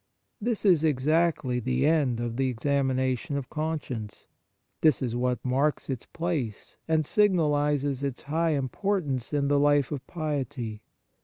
This is exactly the end of the examination of conscience ; this is what marks its place and signalizes its high importance in the life of piety.